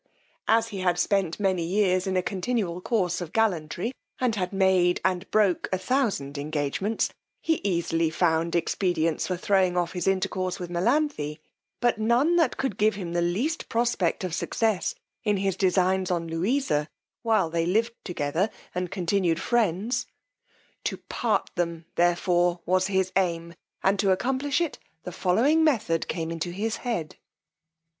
As he had spent many years in a continual course of gallantry, and had made and broke a thousand engagements, he easily found expedients for throwing off his intercourse with Melanthe, but none that could give him the least prospect of success in his designs on Louisa while they lived together and continued friends: to part them therefore was his aim, and to accomplish it the following method came into his head.